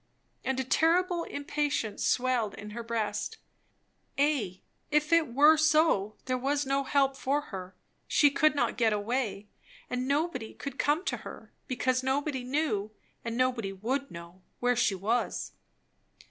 and a terrible impatience swelled in her breast. Ay, if it were so, there was no help for her. She could not get away, and nobody could come to her, because nobody knew and nobody would know where she was.